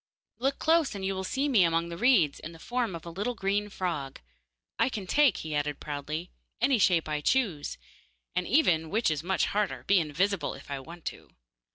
'Look close, and you will see me among the reeds in the form of a little green frog. I can take,' he added proudly, 'any shape I choose, and even, which is much harder, be invisible if I want to.